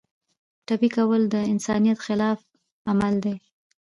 ټپي کول د انسانیت خلاف عمل دی.